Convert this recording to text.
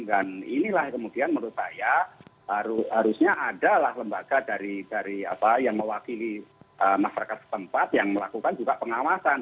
dan inilah kemudian menurut saya harusnya adalah lembaga yang mewakili masyarakat tempat yang melakukan juga pengawasan